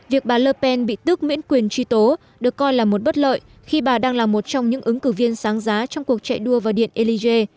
việc bà le pen bị tước miễn quyền truy tố được coi là một bất lợi khi bà đang là một trong những ứng cử viên sáng giá trong cuộc chạy đua vào điện élyjé